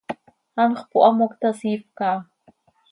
Anxö pohamoc ta, siifp caha.